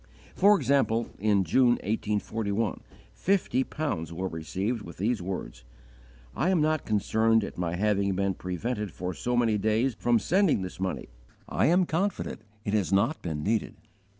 For example, in June, 1841, fifty pounds were received with these words: _"I am not concerned at my having been prevented for so many days from sending this money; I am confident it has not been needed."